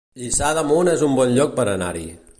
Lliçà d'Amunt es un bon lloc per anar-hi